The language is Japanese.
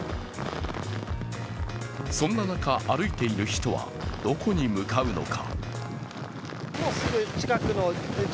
そんな中、歩いている人はどこに向かうのか。